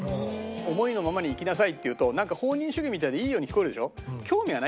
思いのままに生きなさいっていうとなんか放任主義みたいでいいように聞こえるでしょ？